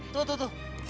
tuh tuh tuh